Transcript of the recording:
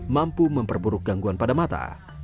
mampu memperburuk gangguan pada mata